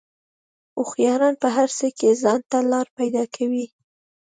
هوښیاران په هر څه کې ځان ته لار پیدا کوي.